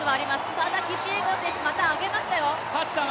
ただキピエゴン選手、また上げましたよ。